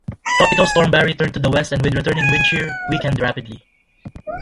Tropical Storm Barry turned to the west and with returning wind shear, weakened rapidly.